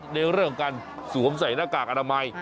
ในเรื่องการสวมใส่หน้ากากอนามัย